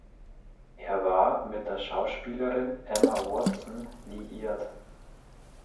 Er war mit der Schauspielerin Emma Watson liiert.